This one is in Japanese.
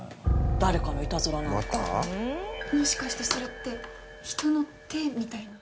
誰かのいたずらなのかもしかしてそれって人の手みたいな？